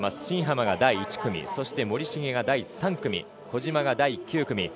新濱が第１組そして森重が第３組小島が第９組。